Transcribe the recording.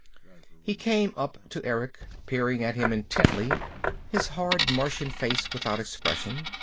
He came up to Erick, peering at him intently, his hard Martian face without expression.